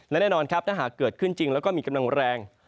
และแน่นอนครับถ้าหากเกิดขึ้นจริงแล้วก็มีกำลังแรง